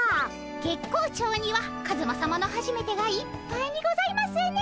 月光町にはカズマさまのはじめてがいっぱいにございますね。